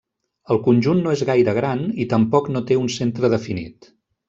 El conjunt no és gaire gran i tampoc no té un centre definit.